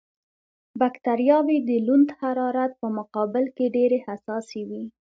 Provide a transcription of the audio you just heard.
بکټریاوې د لوند حرارت په مقابل کې ډېرې حساسې وي.